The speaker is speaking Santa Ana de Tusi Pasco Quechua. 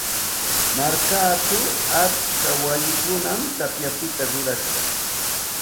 Markachaw atska wayikunam tapyapita rurashqa.